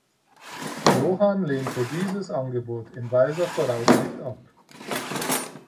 Johann lehnte dieses Angebot in weiser Voraussicht ab.